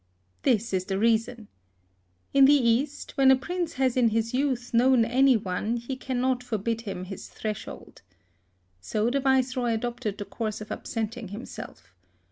This is the reason. In the East, when a prince has in his youth known any one, he cannot forbid him his threshold. THE SUEZ CANAL. 59 So the Viceroy adopted the course of ab senting himself.